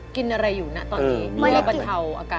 กินอะไรอยู่นะตอนนี้ไม่ได้กิน